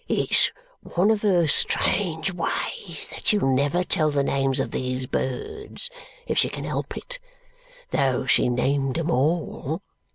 "It's one of her strange ways that she'll never tell the names of these birds if she can help it, though she named 'em all."